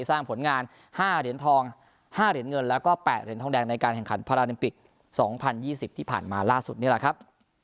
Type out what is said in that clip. สร้างผลงาน๕เหรียญทอง๕เหรียญเงินแล้วก็๘เหรียญทองแดงในการแข่งขันพาราลิมปิก๒๐๒๐ที่ผ่านมาล่าสุดนี่แหละครับ